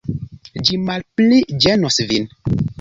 Ĝi malpli ĝenos vin.